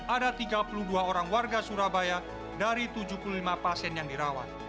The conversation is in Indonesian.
ada tiga puluh dua orang warga surabaya dari tujuh puluh lima pasien yang dirawat